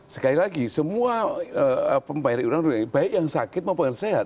sekali lagi semua pembayar iuran baik yang sakit maupun yang sehat